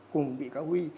cùng bị cáo huy